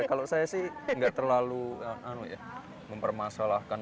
kalau saya sih nggak terlalu mempermasalahkan